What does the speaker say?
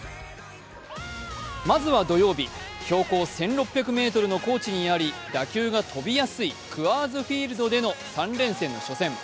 まずは土曜日、標高１６００ｍの高地にあり打球が飛びやすいクアーズ・フィールドでの３連戦の初戦。